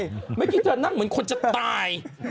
เมื่อกี้เธอนั่งเหมือนคนจะตาย